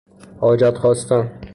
حاجت خواستن